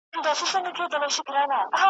هغه بل د پیر په نوم وهي جېبونه .